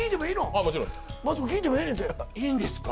あっもちろんですマツコ聞いてもええねんていいんですか？